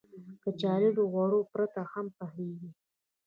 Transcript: کچالو له غوړو پرته هم پخېږي